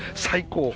最高！